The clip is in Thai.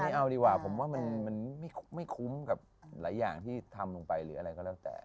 เอาดีกว่าผมว่ามันไม่คุ้มกับหลายอย่างที่ทำลงไปหรืออะไรก็แล้วแต่